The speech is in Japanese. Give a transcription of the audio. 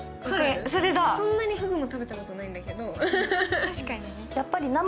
そんなにふぐも食べたことないんだけど。